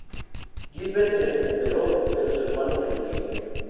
Gilbert se recuperó, pero su hermano pereció.